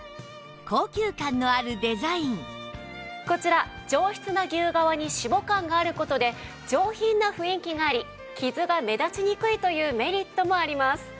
こちら上質な牛革にシボ感がある事で上品な雰囲気があり傷が目立ちにくいというメリットもあります。